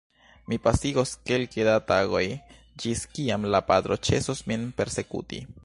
Mi pasigos kelke da tagoj, ĝis kiam la patro ĉesos min persekuti.